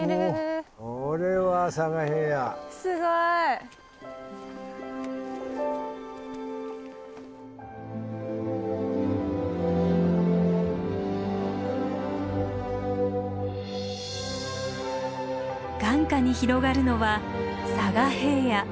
あ眼下に広がるのは佐賀平野。